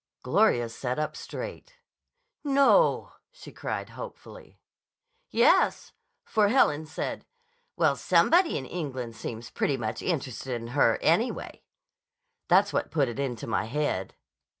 Gloria sat up straight. "No!" she cried hopefully. "Yes. For Helen said, 'Well, somebody in England seems pretty much interested in her, anyway.' That's what put it into my head."